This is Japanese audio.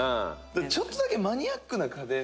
「ちょっとだけマニアックな家電」